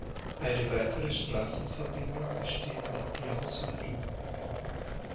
Eine weitere Straßenverbindung besteht mit Byans-sur-Doubs.